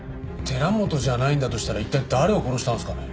寺本じゃないんだとしたら一体誰を殺したんですかね？